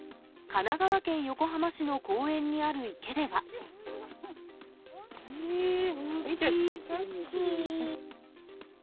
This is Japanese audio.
神奈川県横浜市の公園にあるえー、大きい。